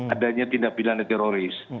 adanya tindak pilihan teroris